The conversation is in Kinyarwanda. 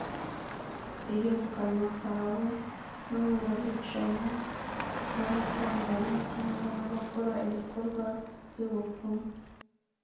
riri mu kanwa kawe no mun abicanyi b n abasambanyi c n abakora ibikorwa by ubupfumu